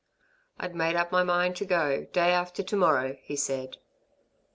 "I'd made up my mind to go, day after to morrow," he said.